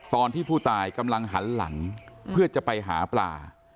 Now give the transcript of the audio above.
ตอนที่ผู้ตายกำลังหันหลังเพื่อจะไปหาปลา